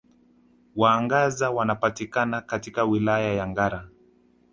Wahangaza wanapatikana katika Wilaya ya Ngara